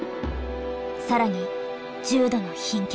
更に重度の貧血。